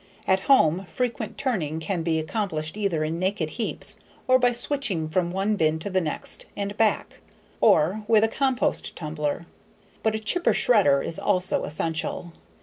At home, frequent turning can be accomplished either in naked heaps, or by switching from one bin to the next and back, or with a compost tumbler. But a chipper/shredder is also essential.